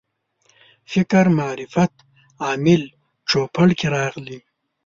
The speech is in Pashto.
فکر معرفت عامل چوپړ کې راغلي.